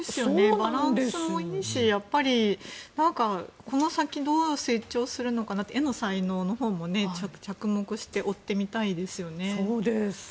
バランスもいいしこの先、どう成長するのかなって絵の才能のほうも着目して追ってみたいですね。